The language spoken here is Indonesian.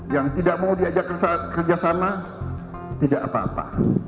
yang tidak mau diajak kerjasama tidak apa apa